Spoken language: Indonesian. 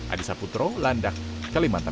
adisa putro landak kalimantan